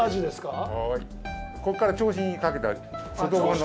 ここから銚子にかけた外房の。